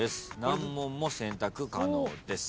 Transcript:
難問も選択可能です。